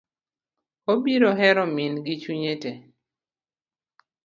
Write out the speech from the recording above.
Obiro hero min gi chunye tee.